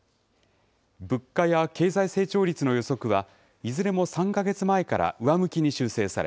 物価や経済成長率の予測は、いずれも３か月前から上向きに修正され、